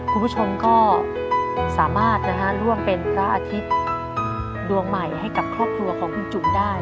คุณผู้ชมก็สามารถนะฮะร่วมเป็นพระอาทิตย์ดวงใหม่ให้กับครอบครัวของคุณจุ๋มได้